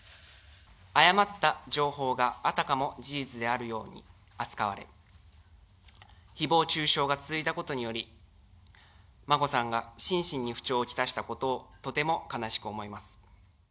誤った情報があたかも事実であるように扱われ、ひぼう中傷が続いたことにより、眞子さんが心身に不調をきたしたことをとても悲しく思います。